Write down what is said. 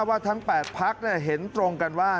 ว่าทั้ง๘พักเห็นตรงกันว่า